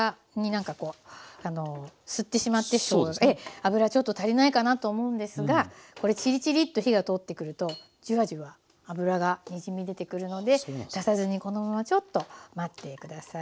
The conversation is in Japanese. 油ちょっと足りないかなと思うんですがこれチリチリと火が通ってくるとジュワジュワ油がにじみ出てくるので出さずにこのままちょっと待って下さい。